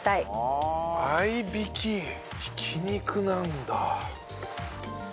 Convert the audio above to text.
ひき肉なんだ。